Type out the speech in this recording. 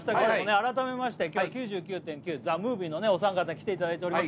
改めまして今日「９９．９ＴＨＥＭＯＶＩＥ」のお三方に来ていただいてます